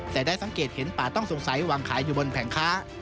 แต่ได้สังเกตเห็นป่าต้องสงสัยวางขายอยู่บนแผงค้า